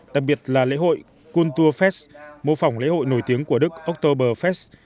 đặc biệt là lễ hội counterfest mô phỏng lễ hội nổi tiếng của đức oktoberfest